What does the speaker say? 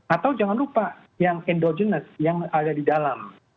atau jangan lupa yang endogenes yang ada di dalam